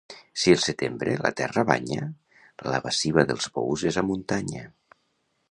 Si el setembre la terra banya, la baciva dels bous és a muntanya.